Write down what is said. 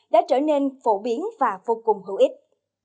đã trở nên phổ biến và vô cùng hữu ích